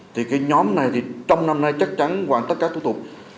thì cái nhóm này thì trong năm nay chắc chắn hoàn tất các thủ tục